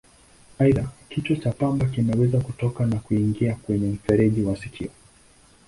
Aidha, kichwa cha pamba kinaweza kutoka na kuingia kwenye mfereji wa sikio.